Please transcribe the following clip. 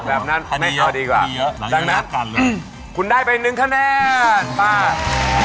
แบบนั้นเขาไม่เอาดีกว่าดังนั้นคุณได้ไป๑คะแนน